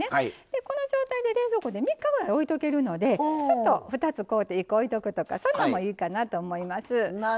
この状態で冷蔵庫で３日まで置いておけるのでちょっと２つ、買うて１個置いておくとかそういうのもいいかなと思います。